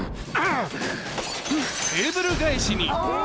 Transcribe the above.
テーブル返しに。